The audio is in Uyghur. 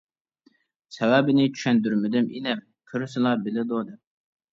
سەۋەبىنى چۈشەندۈرمىدىم ئىنىم، كۆرسىلا بىلىدۇ دەپ.